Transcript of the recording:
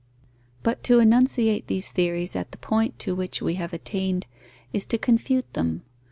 But to enunciate these theories at the point to which we have attained is to confute them.